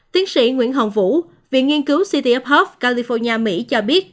tiến sĩ nguyễn hồng vũ viện nghiên cứu city of hope california mỹ cho biết